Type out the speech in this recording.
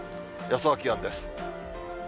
予想気温です。